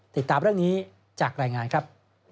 ติดตามเรื่องนี้จากรายงานครับ